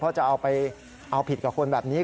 เพราะจะเอาไปเอาผิดกับคนแบบนี้